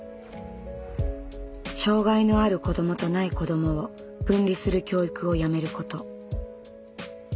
障害のある子どもとない子どもを分離する教育をやめること。